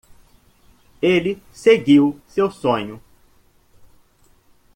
Ele seguiu seu sonho.